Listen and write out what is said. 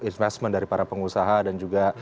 investment dari para pengusaha dan juga